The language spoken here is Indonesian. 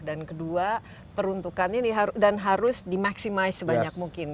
dan kedua peruntukannya dan harus di maximize sebanyak mungkin